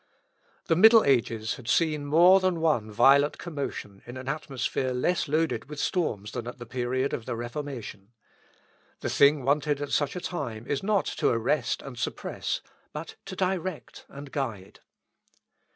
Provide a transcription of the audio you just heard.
The middle ages had seen more than one violent commotion in an atmosphere less loaded with storms than at the period of the Reformation. The thing wanted at such a time is not to arrest and suppress, but to direct and guide.